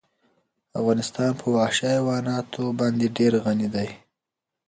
افغانستان په وحشي حیواناتو باندې ډېر غني دی.